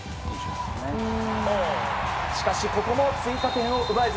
しかし、ここも追加点を奪えず。